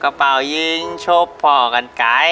กระเป๋ายิ้งชุบพ่อกันไกล